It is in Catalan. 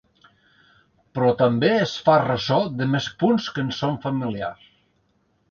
Però també es fa ressò de més punts que ens són familiars.